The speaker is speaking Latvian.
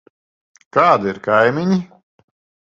Kādi ir kaimiņi?